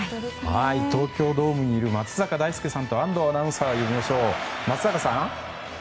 東京ドームにいる松坂大輔さんと安藤アナウンサー呼びましょう。